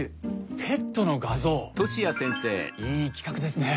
いい企画ですね！